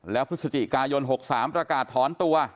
แล้วพฤศจิกายน๖๓ประกาศถอนตัว